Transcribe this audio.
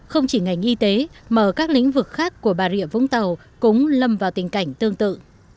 không chỉ ngành y tế mà các lĩnh vực khác của bà rịa vũng tàu cũng lâm vào tình cảnh tương tự